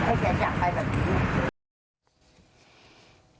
ไม่อยากให้แกจับไปแบบนี้